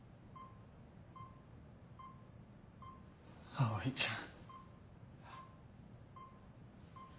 葵ちゃん。